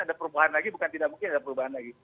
ada perubahan lagi bukan tidak mungkin ada perubahan lagi